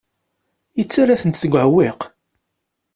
Yettarra-tent deg uɛewwiq.